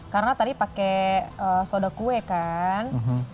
karena tadi pakai soda kue kan